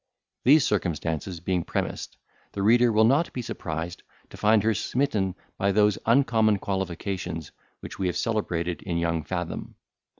These circumstances being premised, the reader will not be surprised to find her smitten by those uncommon qualifications which we have celebrated in young Fathom.